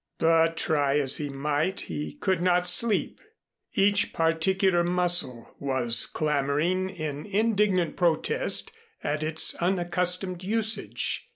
But try as he might, he could not sleep. Each particular muscle was clamoring in indignant protest at its unaccustomed usage.